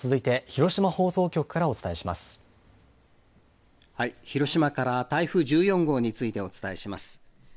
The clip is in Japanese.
広島から台風１４号についてお伝えします。